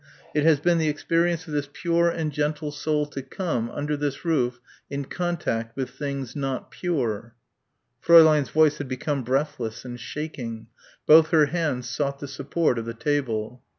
"It has been the experience of this pure and gentle soul to come, under this roof, in contact with things not pure." Fräulein's voice had become breathless and shaking. Both her hands sought the support of the table.